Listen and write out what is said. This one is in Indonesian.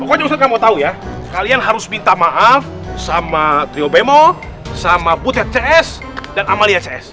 pokoknya ustadz kamu tahu ya kalian harus minta maaf sama trio bemo sama butet cs dan amalia cs